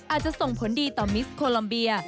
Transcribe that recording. อาจจะส่งผลดีต่อมิสโคลัมเบีย